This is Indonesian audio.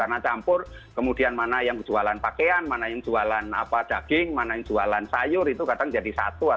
karena campur kemudian mana yang jualan pakaian mana yang jualan daging mana yang jualan sayur itu kadang jadi satu atau